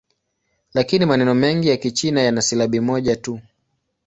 Lakini maneno mengi ya Kichina yana silabi moja tu.